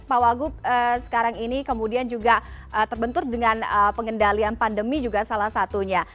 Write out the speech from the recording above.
pak wagub sekarang ini kemudian juga terbentur dengan pengendalian pandemi juga salah satunya